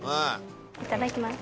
いただきます。